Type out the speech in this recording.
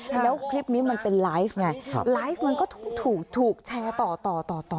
แล้วคลิปนี้มันเป็นไลฟ์ไงไลฟ์มันก็ถูกแชร์ต่อต่อต่อ